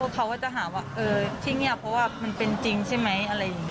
เขาก็จะหาว่าที่เงียบเพราะว่ามันเป็นจริงใช่ไหมอะไรอย่างนี้